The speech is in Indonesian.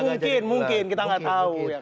mungkin mungkin kita gak tau